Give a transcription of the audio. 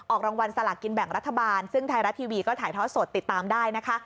รางวัลสลากินแบ่งรัฐบาลซึ่งไทยรัฐทีวีก็ถ่ายทอดสดติดตามได้นะคะ